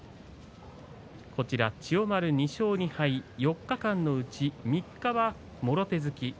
千代丸、２勝２敗、４日間のうち３日はもろ手突き。